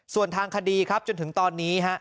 ส่วนทางคดีครับจนถึงตอนนี้ฮะ